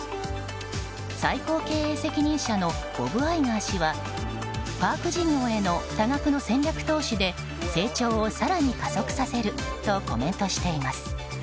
最高経営責任者のボブ・アイガー氏はパーク事業への多額の戦略投資で成長を更に加速させるとコメントしています。